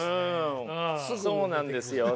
そうなんですよね。